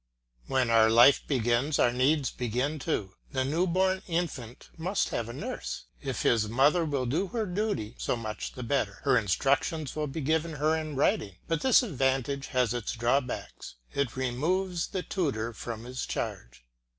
When our life begins our needs begin too. The new born infant must have a nurse. If his mother will do her duty, so much the better; her instructions will be given her in writing, but this advantage has its drawbacks, it removes the tutor from his charge.